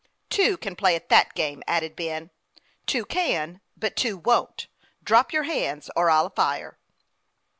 " Two can play at that game," added Ben. " Two can ; but two won't. Drop your hands, or I'll fire